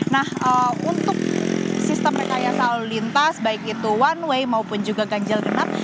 nah untuk sistem rekayasa lalu lintas baik itu one way maupun juga ganjil genap